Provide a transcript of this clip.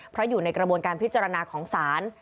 เพราะอยู่ในกระบวนการพิจารณาของศาล